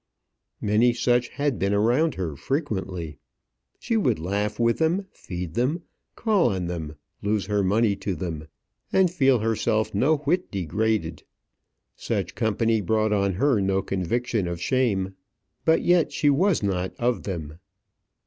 Many such had been around her frequently. She would laugh with them, feed them, call on them, lose her money to them, and feel herself no whit degraded. Such company brought on her no conviction of shame. But yet she was not of them.